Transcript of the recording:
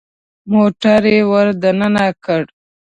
موټر يې ور دننه کړ.